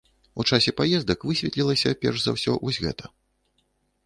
У часе паездак высветлілася перш за ўсё вось гэта.